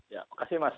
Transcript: ya makasih mas